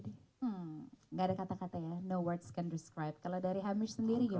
gak ada kata kata ya no words can describe kalau dari hamish sendiri gimana